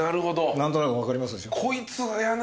何となく分かりますでしょ？